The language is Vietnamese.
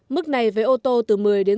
mức này với ô tô từ một mươi đồng